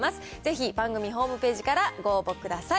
ぜひ、番組ホームページからご応募ください。